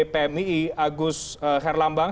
pmii agus herlambang